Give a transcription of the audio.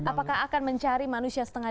apakah akan mencari manusia setengah